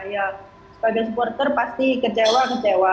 ya sebagai supporter pasti kecewa kecewa